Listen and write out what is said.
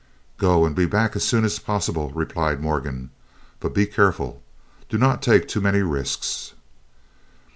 "Go, and be back as soon as possible," replied Morgan, "but be careful; do not take too many risks."